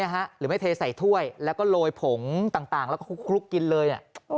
หรือไม่เทใส่ถ้วยแล้วก็โรยผงต่างแล้วก็คลุกกินเลย